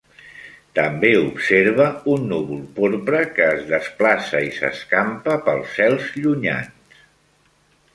També observa un núvol porpra que es desplaça i s'escampa pels cels llunyans.